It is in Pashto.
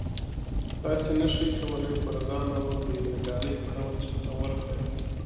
تاسې نه شئ کولی پر ځان باور د یوې ډالۍ په ډول چاته ورکړئ